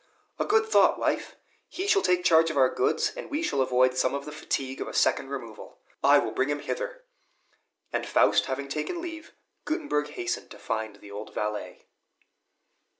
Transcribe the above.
"A good thought, wife; he shall take charge of our goods, and we shall avoid some of the fatigue of a second removal. I will bring him hither;" and Faust having taken leave, Gutenberg hastened to find the old valet.